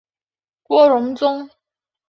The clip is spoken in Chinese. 郭荣宗。